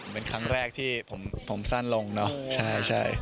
เป็นครั้งแรกที่ผมสั้นลงเนอะใช่